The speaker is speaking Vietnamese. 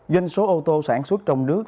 doanh số ô tô sản xuất trong nước